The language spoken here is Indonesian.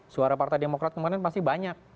suara partai demokrat kemarin pasti banyak